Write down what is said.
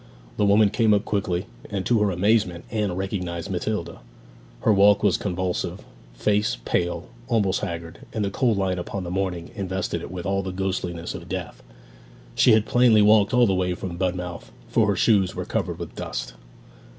The woman came up quickly, and, to her amazement, Anne recognized Matilda. Her walk was convulsive, face pale, almost haggard, and the cold light of the morning invested it with all the ghostliness of death. She had plainly walked all the way from Budmouth, for her shoes were covered with dust.